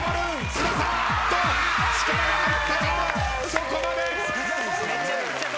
そこまで！